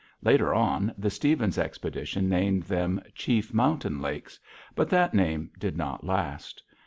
Later on, the Stevens expedition named them Chief Mountain Lakes, but that name did not last.